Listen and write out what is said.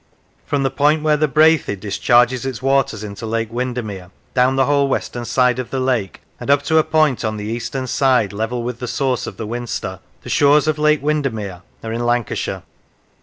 From the point where the Brathay discharges its waters into Lake Windermere, down the whole western side of the lake, and up to a point on the eastern side level with the source of the Winster, the shores of Lake Windermere are in Lancashire.